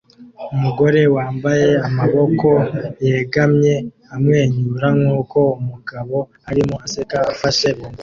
Umugore wambaye amaboko yegamye amwenyura nkuko umugabo arimo aseka afashe bombo